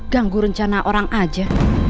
ganggu rencana orang aja